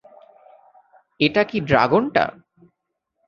এটা কি ড্রাগনটা?